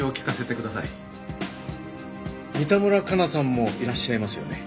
三田村加奈さんもいらっしゃいますよね？